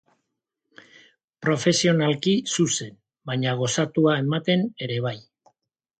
Profesionalki, zuzen, baina gozatua ematen ere bai.